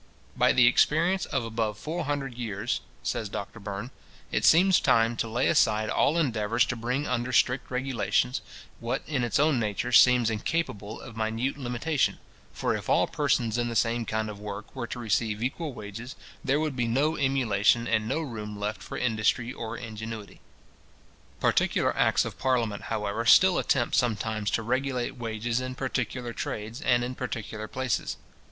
"By the experience of above four hundred years," says Doctor Burn, "it seems time to lay aside all endeavours to bring under strict regulations, what in its own nature seems incapable of minute limitation; for if all persons in the same kind of work were to receive equal wages, there would be no emulation, and no room left for industry or ingenuity." Particular acts of parliament, however, still attempt sometimes to regulate wages in particular trades, and in particular places.